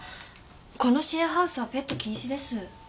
このシェアハウスはペット禁止です。